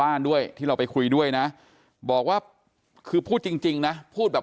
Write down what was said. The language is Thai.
ด้วยที่เราไปคุยด้วยนะบอกว่าคือพูดจริงนะพูดแบบ